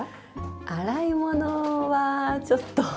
洗い物はちょっと。